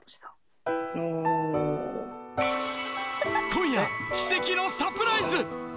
今夜、奇跡のサプライズ。